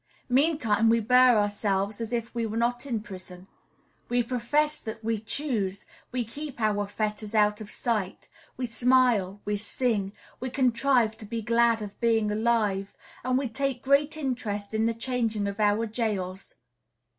Meantime, we bear ourselves as if we were not in prison. We profess that we choose, we keep our fetters out of sight, we smile, we sing, we contrive to be glad of being alive, and we take great interest in the changing of our jails.